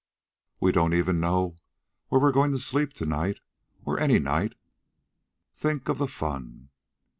Why, we don't even know where we're going to sleep to night, or any night. Think of the fun!"